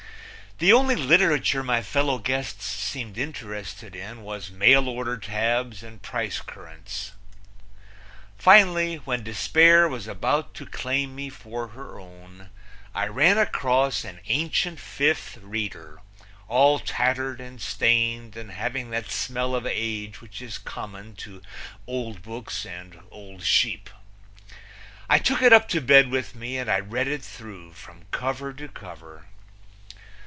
The only literature my fellow guests seemed interested in was mailorder tabs and price currents. Finally, when despair was about to claim me for her own, I ran across an ancient Fifth Reader, all tattered and stained and having that smell of age which is common to old books and old sheep. I took it up to bed with me, and I read it through from cover to cover.